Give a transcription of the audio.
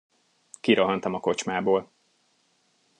Kirohantam a kocsmából.